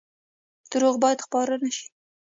دروغ باید خپاره نشي